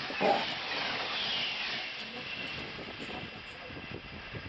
The election was, perhaps surprisingly, won by the Socialist Party.